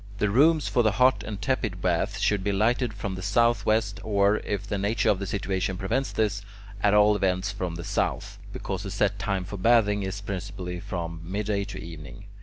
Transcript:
The rooms for the hot and tepid baths should be lighted from the southwest, or, if the nature of the situation prevents this, at all events from the south, because the set time for bathing is principally from midday to evening.